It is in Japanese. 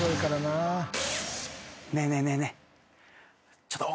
ねえねえねえねえ。